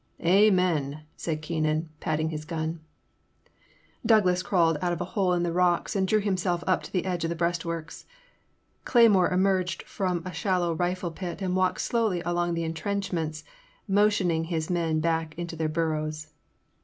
'' Amen/' said Keenan, patting his gun. Douglas crawled out of a hole in the rocks and drew himself up to the edge of the breastworks. Cleymore emerged from a shallow rifle pit and walked slowly along the intrenchments, motion ing his men back into their burrows.